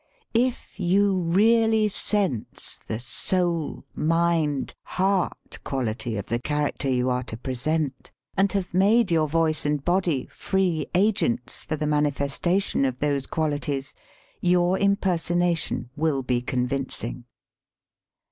If you really sense the soul, mind, heart quality of the character you are to present, and have made your voice and body free agents for the manifestation of those qualities, your impersonation will be convincing.